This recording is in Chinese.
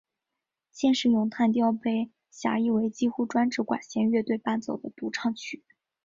现时咏叹调被狭义为几乎专指管弦乐队伴奏的独唱曲。